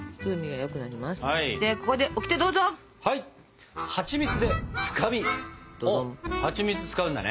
はちみつ使うんだね！